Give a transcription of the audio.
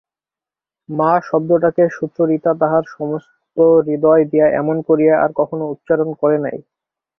মা শব্দটাকে সুচরিতা তাহার সমস্ত হৃদয় দিয়া এমন করিয়া আর কখনো উচ্চারণ করে নাই।